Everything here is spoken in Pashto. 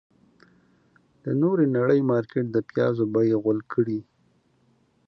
د نورې نړۍ مارکيټ د پيازو بيې غول کړې.